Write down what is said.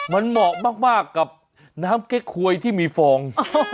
มันเหมาะมากกับน้ำเก๊กหวยที่มีฟอง